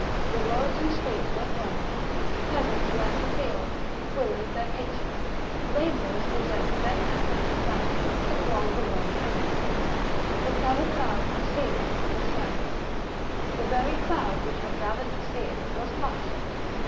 The roads and streets were thronged, peasants left the fields, women their kitchens, labourers deserted their cattle at the plough, to throng the road to Nantes. The caval cade proceeded in silence. The very crowd which had gathered to see it, was hushed.